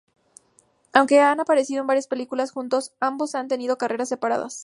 Aunque han aparecido en varias películas juntos, ambos han tenido carreras separadas.